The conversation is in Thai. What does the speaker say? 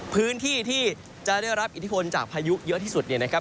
พื้นที่ที่จะได้รับอิทธิพลจากพายุเยอะที่สุดเนี่ยนะครับ